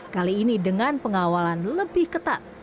kali ini dengan pengawalan lebih ketat